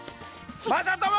まさとも！